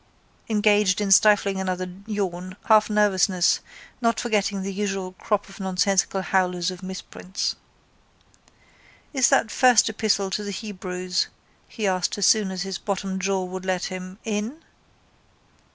engaged in stifling another yawn, half nervousness, not forgetting the usual crop of nonsensical howlers of misprints. —Is that first epistle to the Hebrews, he asked as soon as his bottom jaw would let him, in?